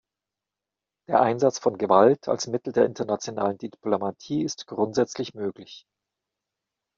Der Einsatz von Gewalt als Mittel der internationalen Diplomatie ist grundsätzlich möglich.